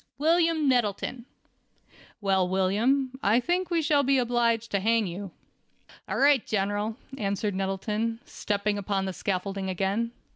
"William Nettleton." "Well, William, I think we shall be obliged to hang you." "All right, General," answered Nettleton, stepping upon the scaffolding again.